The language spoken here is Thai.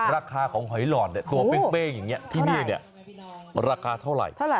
ราคาของหอยหลอดเนี่ยตัวเฟ้งที่นี่เนี่ยราคาเท่าไขร่